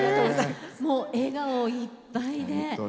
もう笑顔いっぱいで。